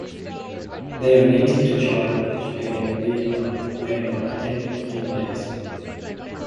They are native to China, Japan, Vietnam, Myanmar, and the Himalayas.